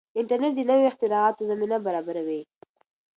انټرنیټ د نویو اختراعاتو زمینه برابروي.